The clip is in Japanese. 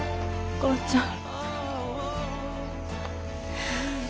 お母ちゃん。